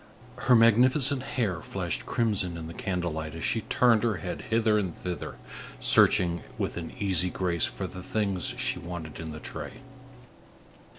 Her magnificent hair flashed crimson in the candle light, as she turned her head hither and thither, searching with an easy grace for the things she wanted in the tray.